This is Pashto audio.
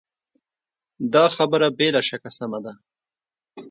دا خبره بې له شکه سمه ده.